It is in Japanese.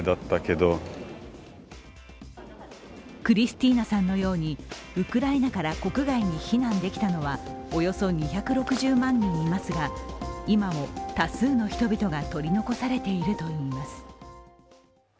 クリスティーナさんのように、ウクライナから国外に避難できたのはおよそ２６０万人いますが今も多数の人々が取り残されているといいます。